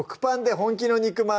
本気の肉まん」